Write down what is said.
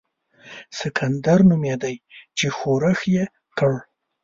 سکندر نومېدی چې ښورښ یې کړ.